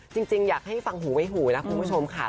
จริงอยากให้ฟังหูไว้หูนะคุณผู้ชมค่ะ